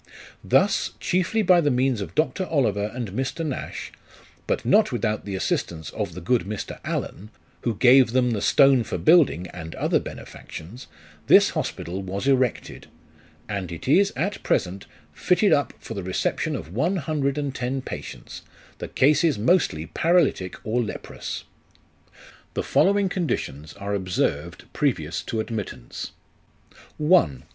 Thus, chiefly by the means of Dr. Oliver and Mr. Nash, but not without the assistance of the good Mr. Allen, 1 who gave them the stone for building and other benefactions, this hospital was erected ; and it is at present fitted up for the reception of one hundred and ten patients, the cases mostly paralytic or leprous. The following conditions are observed previous to admittance :" I.